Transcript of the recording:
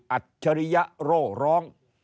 อัจฉริยะโรร้อง